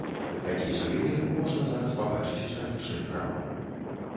Такі сувенір можна зараз пабачыць у сталічных крамах.